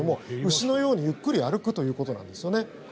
牛のようにゆっくり歩くということなんですよね。